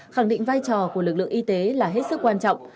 khẳng định vai trò của lực lượng y tế là hết sức quan trọng